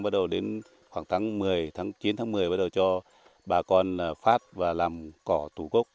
bắt đầu đến khoảng tháng chín một mươi bắt đầu cho bà con phát và làm cỏ tủ cốc